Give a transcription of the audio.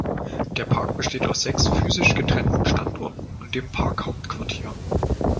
Der Park besteht aus sechs physisch getrennten Standorten und dem Park-Hauptquartier.